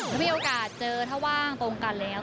ถ้ามีโอกาสเจอถ้าว่างตรงกันอะไรอย่างนี้